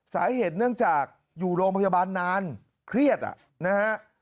สาเหตุเนื่องจากอยู่โรงพยาบาลนานเครียดนะฮะ